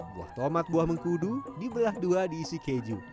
buah tomat buah mengkudu dibelah dua diisi keju